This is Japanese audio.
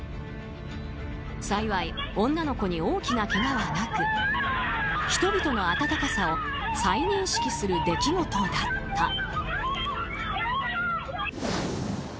幸い女の子に大きなけがはなく人々の温かさを再認識する出来事だった。